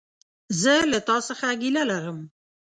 زه له تا څخه ګيله لرم!